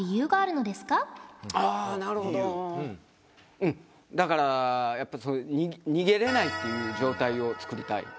うんだからやっぱそういう逃げれないっていう状態を作りたい。